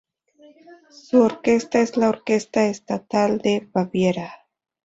Su orquesta es la Orquesta Estatal de Baviera.